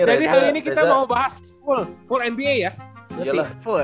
jadi hari ini kita mau bahas full